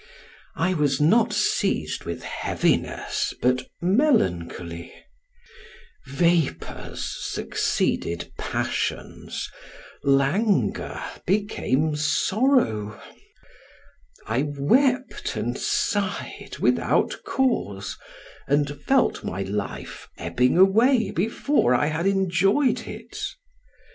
I was not seized with heaviness, but melancholy; vapors succeeded passions, languor became sorrow: I wept and sighed without cause, and felt my life ebbing away before I had enjoyed it.